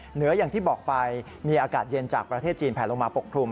อย่างที่บอกไปมีอากาศเย็นจากประเทศจีนแผลลงมาปกคลุม